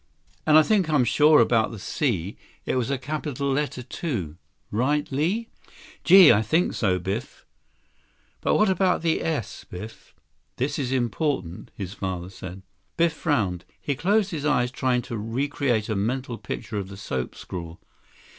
"And I think I'm sure about the C. It was a capital letter, too. Right, Li?" "Gee, I think so, Biff." "But what about the s, Biff? This is important," his father said. Biff frowned. He closed his eyes trying to recreate a mental picture of the soap scrawl.